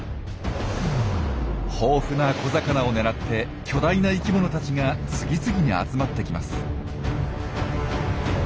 豊富な小魚を狙って巨大な生きものたちが次々に集まってきます。